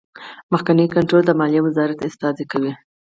مخکینی کنټرول د مالیې وزارت استازی کوي.